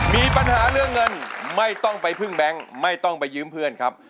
มีปัญหาเรื่องเงินไม่ต้องไปพึ่งแบงค์ไม่ต้องไปยืมเพื่อนครับ